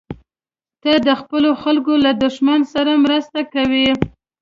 ته د خپلو خلکو له دښمن سره مرسته کوې.